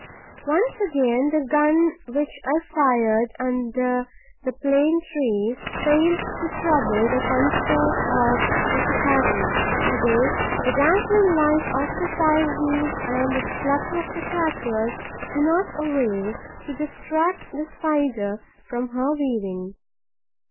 Once before, the gun which I fired under the plane trees failed to trouble the concert of the Cicadae; to day, the dazzling light of the fire wheels and the splutter of the crackers do not avail to distract the Spider from her weaving.